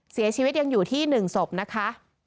เสียชีวิตยังอยู่ที่๑ศพนะคะ